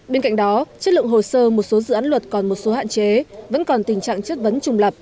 bên cạnh đó chất lượng hồ sơ một số dự án luật còn một số hạn chế vẫn còn tình trạng chất vấn trùng lập